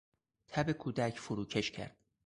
تب کودک فروکش کرد.